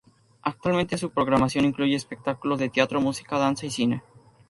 Actualmente su programación incluye espectáculos de teatro, música, danza y cine.